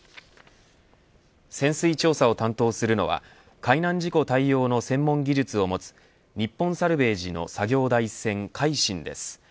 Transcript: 潜水調査を担当するのは海難事故対応の専門技術を持つ日本サルヴェージの作業台船海進です。